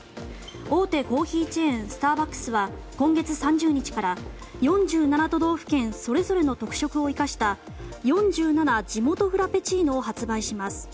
大手コーヒーチェーンスターバックスは今月３０日から４７都道府県それぞれの特色を生かした４７ＪＩＭＯＴＯフラペチーノを発売します。